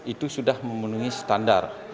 itu sudah memenuhi standar